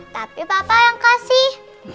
tapi papa yang kasih